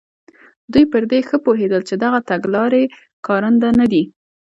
دوی پر دې ښه پوهېدل چې دغه تګلارې کارنده نه دي.